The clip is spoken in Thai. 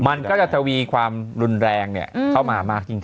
มันก็จะทวีความรุนแรงเนี่ยเข้ามามากจริง